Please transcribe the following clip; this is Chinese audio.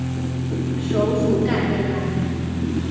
首府盖贝莱。